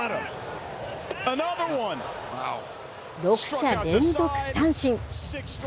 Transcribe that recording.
６者連続三振。